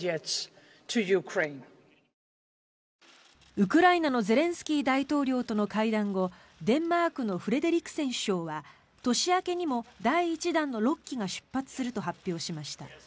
ウクライナのゼレンスキー大統領との会談後デンマークのフレデリクセン首相は年明けにも第１弾の６機が出発すると発表しました。